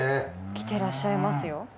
来てらっしゃいますよ。